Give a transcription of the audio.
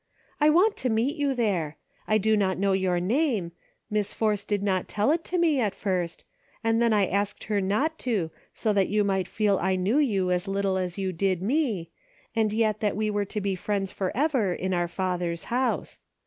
I want to meet you there ; I do not know your name ; Miss Force did not tell it to me at first, and then I asked her not to, so that you might feel I knew you as little as you did me, and yet that we were to be friends forever in our Father's house.